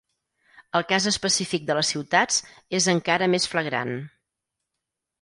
El cas específic de les ciutats és encara més flagrant.